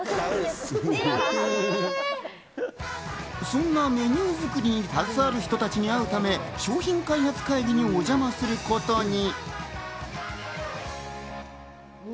そんなメニュー作りに携わる人たちに会うため、商品開発会議にお邪魔することに。